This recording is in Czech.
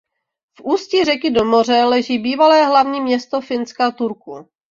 U ústí řeky do moře leží bývalé hlavní město Finska Turku.